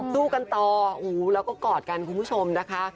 สู้กันต่อแล้วก็กอดกันคุณผู้ชมนะคะ